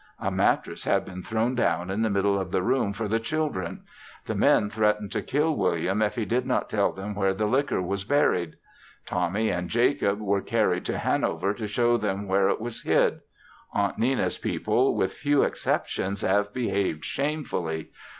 A mattress had been thrown down in the middle of the room for the children. The men threatened to kill William if he did not tell them where the liquor was buried. Tommie and Jacob were carried to Hanover to show them where it was hid. Aunt Nenna's people, with few exceptions, have behaved shamefully.